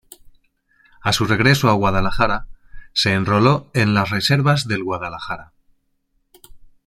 A su regreso a Guadalajara se enroló en las Reservas del Guadalajara.